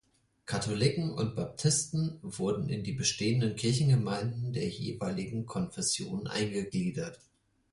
Katholiken und Baptisten wurden in die bestehenden Kirchengemeinden der jeweiligen Konfessionen eingegliedert.